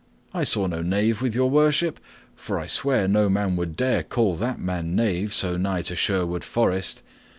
"I saw no knave with Your Worship, for I swear no man would dare call that man knave so nigh to Sherwood Forest.